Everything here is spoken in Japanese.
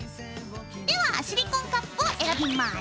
ではシリコンカップを選びます。